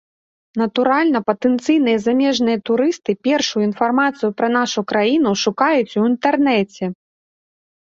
Натуральна, патэнцыйныя замежныя турысты першую інфармацыю пра нашу краіну шукаюць у інтэрнэце.